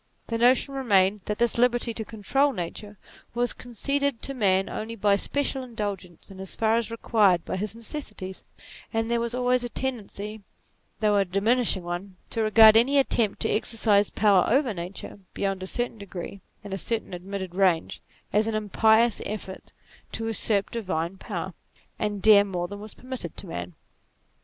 The notion remained that this liberty to control Nature was conceded to man only by special in dulgence, and as far as required by his necessities ; and there was always a tendency, though a diminishing one, to regard any attempt to exercise power over nature, beyond a certain degree, and a certain ad mitted range, as an impious effort to usurp divine power, and dare more than was permitted to man.